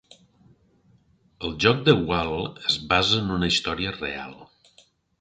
El joc de Wall es basa en una història real.